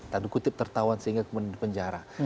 tanda kutip tertawan sehingga kemudian dipenjara